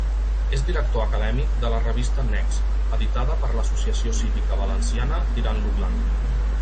És director acadèmic de la revista Nexe, editada per l'Associació Cívica Valenciana Tirant lo Blanc.